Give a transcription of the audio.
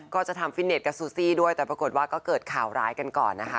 ก็จะทำฟิตเน็ตกับซูซี่ด้วยแต่ปรากฏว่าก็เกิดข่าวร้ายกันก่อนนะคะ